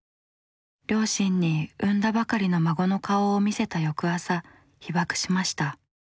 両親に産んだばかりの孫の顔を見せた翌朝被爆しました。